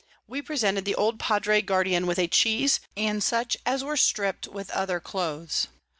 We presented the old Padre Guardian with a Cheese, and such as were strip'd, with other Clothes.